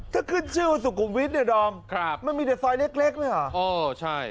ถ้าขึ้นชื่อสุกุมวิทเนี่ยดอมครับมันมีเด็ดซอยเล็กนี่หรอโอ้ใช่